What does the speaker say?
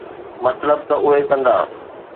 مطلب ته اهي ڪندا.